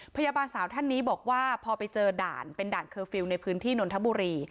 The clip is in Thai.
พยาบาลสาวท่านนี้บอกว่าพอไปเจอด่านเป็นด่านเคอร์ฟิลล์ในพื้นที่นนทบุรี